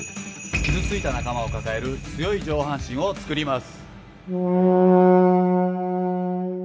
傷ついた仲間を抱える強い上半身を作ります。